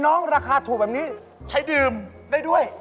ราคาถูกแบบนี้ใช้ดื่มได้ด้วย